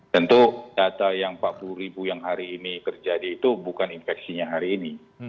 tentu data yang empat puluh ribu yang hari ini terjadi itu bukan infeksinya hari ini